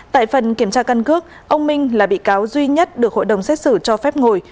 tại phần kiểm tra căn cước ông minh là bị cáo duy nhất được hội đồng xét xử cho phép ngồi